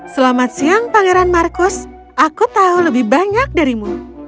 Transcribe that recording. selamat siang pangeran marcus aku tahu lebih banyak darimu